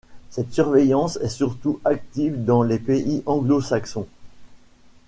Cette surveillance est surtout active dans les pays anglo-saxons.